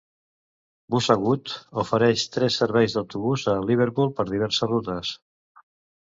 Busabout ofereix tres serveis d'autobús a Liverpool per diverses rutes.